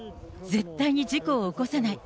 絶対に事故を起こさない。